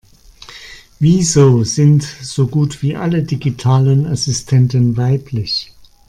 Wieso sind so gut wie alle digitalen Assistenten weiblich?